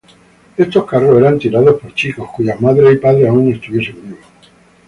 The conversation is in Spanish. Estos carros eran tirados por chicos cuyas madres y padres aún estuviesen vivos.